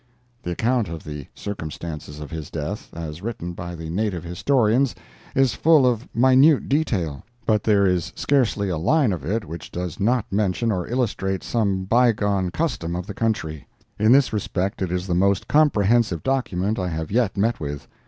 The account of the circumstances of his death, as written by the native historians, is full of minute detail, but there is scarcely a line of it which does not mention or illustrate some bygone custom of the country. In this respect it is the most comprehensive document I have yet met with.